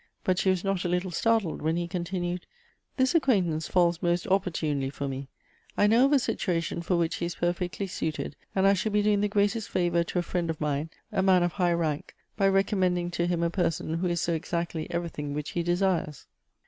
But she was not a little startled when he con tinued :" This acquaintance falls most opportunely for me. I know ef a situation for which he is perfectly suited, and I shall be doing the greatest favor to a friend of mine, a man of high rank, by recommending to him a person who is so exactly everything which he desires."